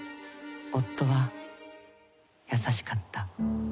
夫は優しかった。